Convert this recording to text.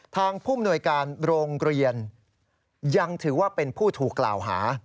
ผู้มนวยการโรงเรียนยังถือว่าเป็นผู้ถูกกล่าวหา